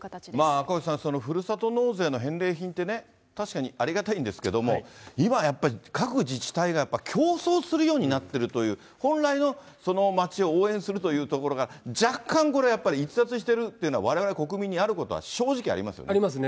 赤星さん、ふるさと納税の返礼品ってね、確かにありがたいんですけれども、今やっぱり各自治体が競争するようになってるという、本来のその町を応援するというところが、若干これやっぱり、逸脱してるというのは、われわれ、国民にあることは正直ありますよね。